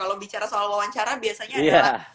kalau bicara soal wawancara biasanya adalah